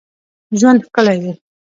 ژوند ښکلی دی.